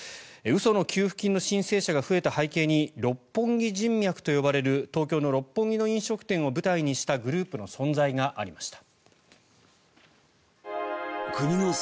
嘘の給付金の申請者が増えた背景に六本木人脈と呼ばれる東京の六本木の飲食店を舞台にしたグループの存在がありました。